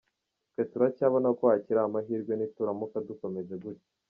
Twe turacyabona ko hakiri amahirwe nituramuka dukomeje gutya.”